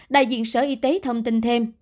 đại diện sở y tế thông tin thêm